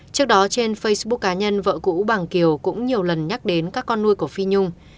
trước đó trên facebook cá nhân vợ cũ bằng kiều cũng nhiều lần nhắc đến các con nuôi của phi nhung